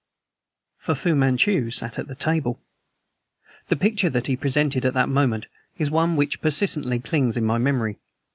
For Fu Manchu sat at the table. The picture that he presented at that moment is one which persistently clings in my memory.